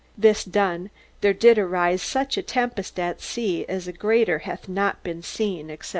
This done, there did arise such a tempest at sea as a greater hath not been seen, etc.